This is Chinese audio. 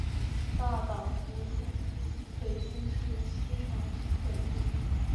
大觉胡同位于北京市西城区北部。